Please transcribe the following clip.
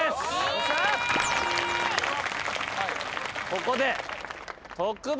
ここで。